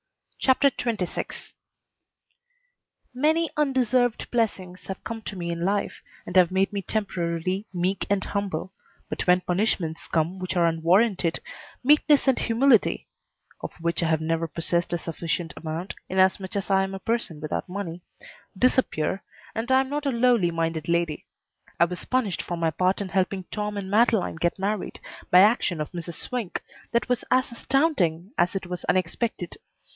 CHAPTER XXVI Many undeserved blessings have come to me in life and have made me temporarily meek and humble, but when punishments come which are unwarranted, meekness and humility (of which I have never possessed a sufficient amount, inasmuch as I am a person without money) disappear, and I am not a lowly minded lady. I was punished for my part in helping Tom and Madeleine get married by action of Mrs. Swink that was as astounding as it was unexpected.